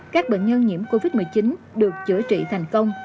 các bệnh nhân nhiễm covid một mươi chín được chữa trị thành công